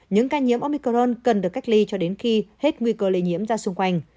những ca nhiễm omicron cần được cách ly cho đến khi hết nguy cơ lây nhiễm ra xung quanh